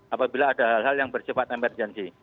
apabila ada hal hal yang bersifat emergensi